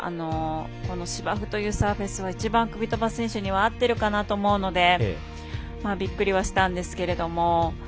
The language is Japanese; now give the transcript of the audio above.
この芝生というサーフェスは一番、クビトバ選手には合ってるかなと思うのでびっくりはしたんですけども。